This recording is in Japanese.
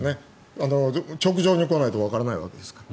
直上に来ないとわからないわけですから。